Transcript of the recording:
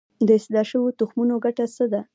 د اصلاح شویو تخمونو ګټه څه ده؟